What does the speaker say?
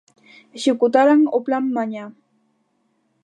Executaran o plan mañá.